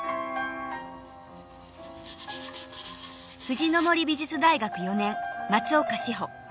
「藤森美術大学四年松岡志保」